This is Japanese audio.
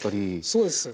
そうです。